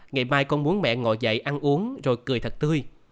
ngày mai con muốn mẹ ngồi dậy ăn uống rồi cười thật tươi